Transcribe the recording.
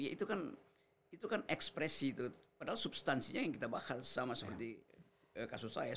ya itu kan itu kan ekspresi itu padahal substansinya yang kita bahas sama seperti kasus saya